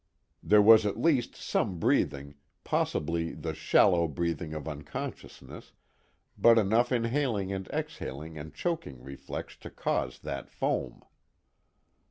There was at least some breathing, possibly the shallow breathing of unconsciousness, but enough inhaling and exhaling and choking reflex to cause that foam."